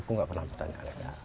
aku enggak pernah bertanya